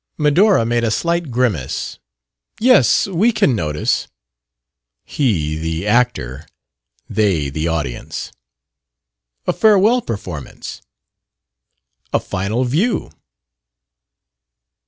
Medora made a slight grimace. "Yes, we can notice." He the actor; they the audience. "A farewell performance." "A final view."